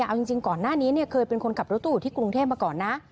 เอาจริงก่อนหน้านี้เคยเป็นคนขับรถตู้อยู่ที่กรุงเทพมาก่อนนะ